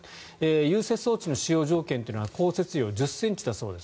融雪装置の使用条件は降雪量１０ｃｍだそうです。